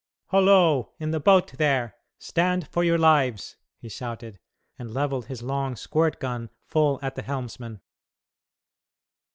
"Holo; in the boat there! Stand for your lives!" he shouted, and levelled his long squirt gun full at the helmsman.